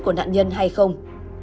của nạn nhân hay không